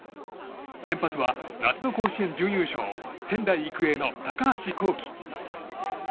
先発は夏の甲子園準優勝仙台育英の高橋煌稀。